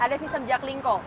nah ada sistem jaklingko